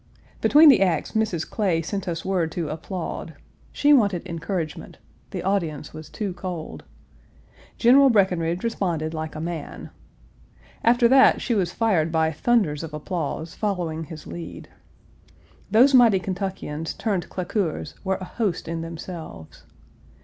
Between the acts Mrs. Clay sent us word to applaud. She wanted encouragement; the audience was too cold. General Breckinridge responded like a man. After that she was fired by thunders of applause, following his lead. Those mighty Kentuckians turned claqueurs, were a host in themselves.